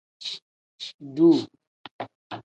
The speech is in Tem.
Duuu.